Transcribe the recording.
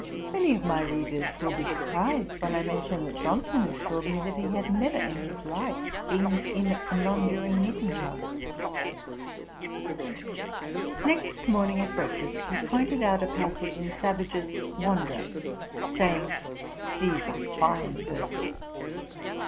Many of my readers will be surprized when I mention, that Johnson assured me he had never in his life been in a nonjuring meeting house. Next morning at breakfast, he pointed out a passage in Savage's Wanderer, saying, 'These are fine verses.'